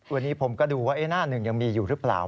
วันนี้ผมก็ดูว่าหน้าหนึ่งยังมีอยู่หรือเปล่า